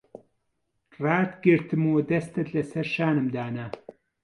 ڕاتگرتم و دەستت لەسەر شانم دانا...